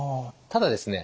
ただですね